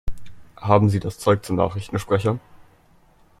Haben Sie das Zeug zum Nachrichtensprecher?